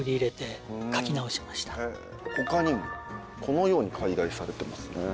他にもこのように改題されてますね。